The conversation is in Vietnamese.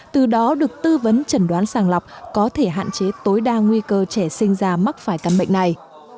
từ đó được tư vấn trần đoán sàng lọc có thể hạn chế tối đa nguy cơ trẻ sinh ra mắc phải căn bệnh này